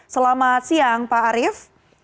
selamat siang pak arief